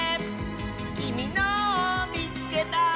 「きみのをみつけた！」